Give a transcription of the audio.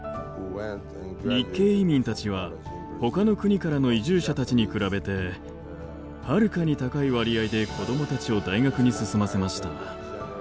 日系移民たちはほかの国からの移住者たちに比べてはるかに高い割合で子どもたちを大学に進ませました。